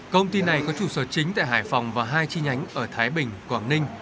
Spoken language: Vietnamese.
công ty này có trụ sở chính tại hải phòng và hai chi nhánh ở thái bình quảng ninh